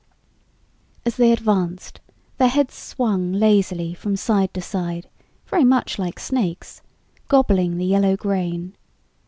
As they advanced, their heads swung lazily from side to side, very much like snakes, gobbling the yellow grain.